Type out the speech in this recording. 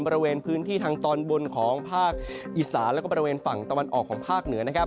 บริเวณพื้นที่ทางตอนบนของภาคอีสานแล้วก็บริเวณฝั่งตะวันออกของภาคเหนือนะครับ